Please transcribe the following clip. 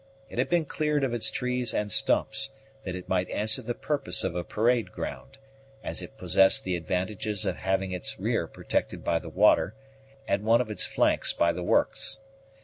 It had been cleared of its trees and stumps, that it might answer the purpose of a parade ground, as it possessed the advantages of having its rear protected by the water, and one of its flanks by the works.